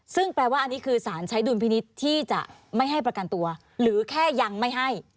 ซึ่งแปลว่าอันนี้คือสารใช้ดุลพินิษฐ์ที่จะไม่ให้ประกันตัวหรือแค่ยังไม่ให้